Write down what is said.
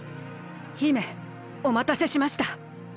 姫おまたせしました。